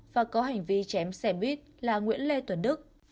và có hành vi chém xe buýt là nguyễn lê tuấn đức